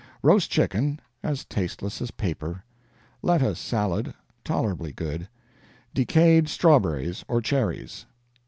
Roast chicken, as tasteless as paper. Lettuce salad tolerably good. Decayed strawberries or cherries.